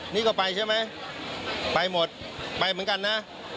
นี่ก็ไปใช่ไหมไปหมดไปเหมือนกันนะ